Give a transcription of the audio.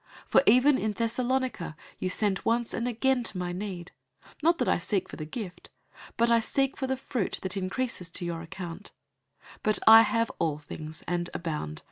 004:016 For even in Thessalonica you sent once and again to my need. 004:017 Not that I seek for the gift, but I seek for the fruit that increases to your account. 004:018 But I have all things, and abound.